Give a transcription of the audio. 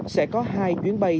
sẽ có hai chuyến bay